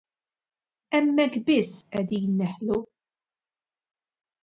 Hemmhekk biss qegħdin neħlu.